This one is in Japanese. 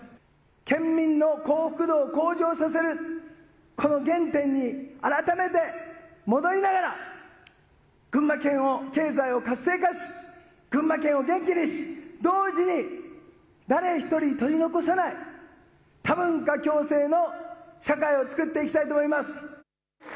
県民の幸福度を向上させる、この原点に改めて戻りながら群馬県を、経済を活性化し群馬県を元気にし、同時に誰一人取り残さない多文化共生の社会をつくっていきたいと思います。